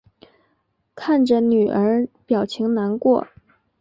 看着女儿表情难过